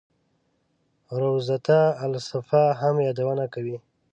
روضته الصفا هم یادونه کوي.